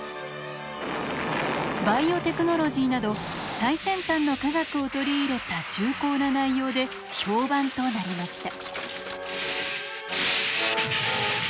バイオテクノロジーなど最先端の科学を取り入れた重厚な内容で評判となりました。